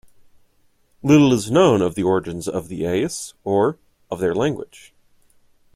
Little is known of the origins of the Ais, or of their language.